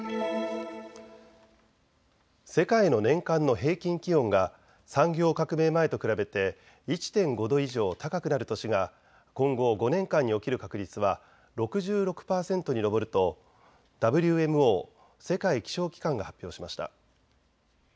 世界の年間の平均気温が産業革命前と比べて１．５度以上高くなる年が今後５年間に起きる確率は６６％に上るとＷＭＯ・世界気象機関が発表しました。